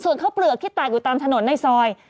ส่วนข้าวเปลือกที่ตากอยู่ตามถนนในซอย